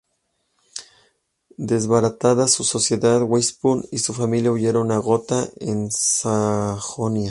Desbaratada su sociedad, Weishaupt y su familia huyeron a Gotha, en Sajonia.